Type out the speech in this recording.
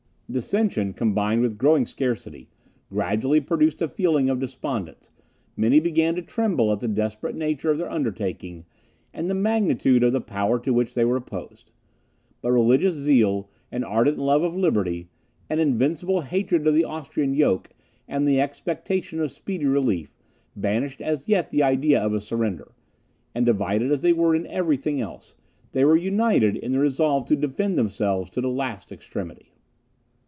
Dissension, combined with growing scarcity, gradually produced a feeling of despondence, many began to tremble at the desperate nature of their undertaking, and the magnitude of the power to which they were opposed. But religious zeal, an ardent love of liberty, an invincible hatred to the Austrian yoke, and the expectation of speedy relief, banished as yet the idea of a surrender; and divided as they were in every thing else, they were united in the resolve to defend themselves to the last extremity.